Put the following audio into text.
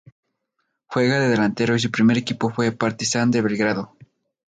Juega de delantero y su primer equipo fue Partizan de Belgrado.